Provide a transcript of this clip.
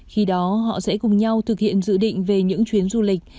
khi đó họ sẽ cùng nhau thực hiện dự định về những chuyến du lịch